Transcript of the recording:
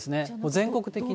全国的に。